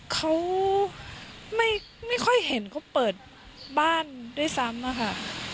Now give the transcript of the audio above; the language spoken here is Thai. เขาไม่ค่อยเห็นเขาเปิดบ้านด้วยซ้ำนะคะ